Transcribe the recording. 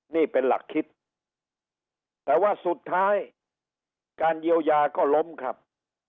นี่เป็นหลักคิดแต่ว่าสุดท้ายการเยียวยาก็ล้มครับ